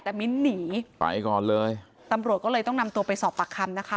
แต่มิ้นหนีไปก่อนเลยตำรวจก็เลยต้องนำตัวไปสอบปากคำนะคะ